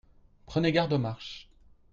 Prenez garde aux marches.